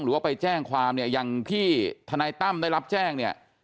หรือว่าไปแจ้งความอย่างที่ทนายต้ำได้รับแจ้ง